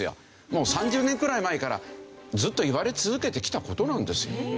もう３０年くらい前からずっと言われ続けてきた事なんですよ。